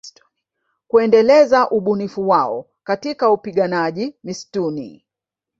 Kuendeleza ubunifu wao katika upiganaji mistuni